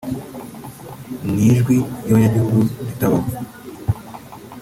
n'ijwi ry'abanyagihugu ritabaho